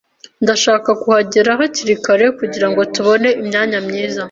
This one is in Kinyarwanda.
Ndashaka kuhagera hakiri kare kugirango tubone imyanya myiza.